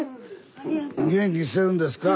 元気してるんですか？